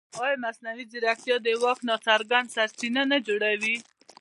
ایا مصنوعي ځیرکتیا د واک ناڅرګند سرچینه نه جوړوي؟